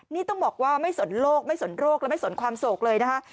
นี่ต้องบอกว่าไม่สนโลกไม่สนโรคและไม่สนความโศกเลยนะคะ